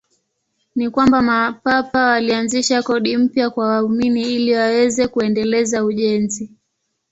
Ni kwamba Mapapa walianzisha kodi mpya kwa waumini ili waweze kuendeleza ujenzi.